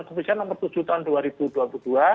keputusan nomor tujuh tahun dua ribu dua puluh dua